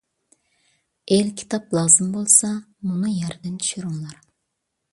ئېلكىتاب لازىم بولسا مۇنۇ يەردىن چۈشۈرۈڭلار.